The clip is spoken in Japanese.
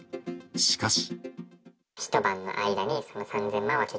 しかし。